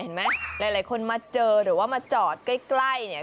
เห็นไหมหลายหลายคนมาเจอหรือว่ามาจอดใกล้ใกล้เนี้ย